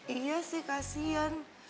iya sih kasian